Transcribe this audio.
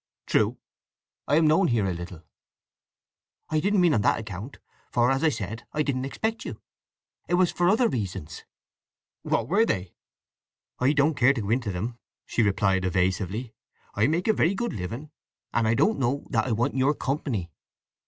"True. I am known here a little." "I didn't mean on that account—for as I said I didn't expect you. It was for other reasons." "What were they?" "I don't care to go into them," she replied evasively. "I make a very good living, and I don't know that I want your company."